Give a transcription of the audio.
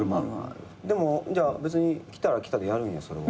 でもじゃあ別に来たら来たでやるんやそれは。